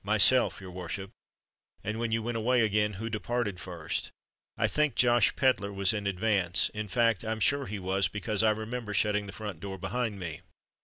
"Myself, your worship." "And when you went away again, who departed first?" "I think Josh Pedler was in advance—in fact, I'm sure he was, because I remember shutting the front door behind me."